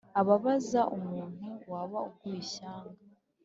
ababaza umuntu waba aguye ishyanga